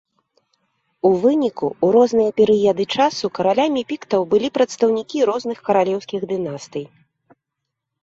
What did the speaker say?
У выніку, у розныя перыяды часу каралямі піктаў былі прадстаўнікі розных каралеўскіх дынастый.